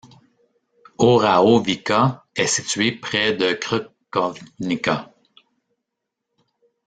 Oraovica est située près de Crkovnica.